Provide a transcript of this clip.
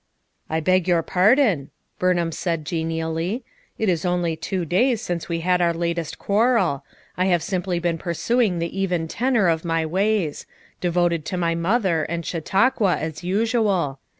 "I beg your pardon," Burnham said gen ially, "it is onlv two davs since we had our latest quarreL I liave simply been pursuing the even tenor of jut wavs; devoted to my mother, and Chautauqua, as usual.